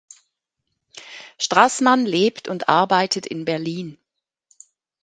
Straßmann lebt und arbeitet in Berlin.